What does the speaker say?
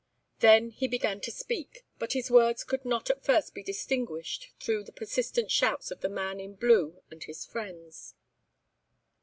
Then he began to speak, but his words could not at first be distinguished through the persistent shouts of the man in blue and his friends.